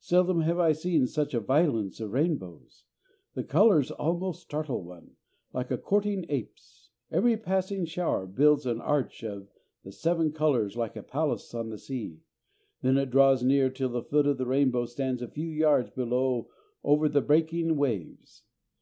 Seldom have I seen such a violence of rainbows. The colours almost startle one, like a courting ape's. Every passing shower builds an arch of the seven colours like a palace on the sea. Then it draws near till the foot of the rainbow stands a few yards below over the breaking waves.